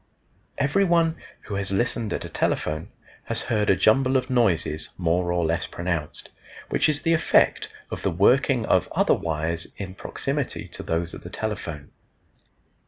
Every one who has listened at a telephone has heard a jumble of noises more or less pronounced, which is the effect of the working of other wires in proximity to those of the telephone.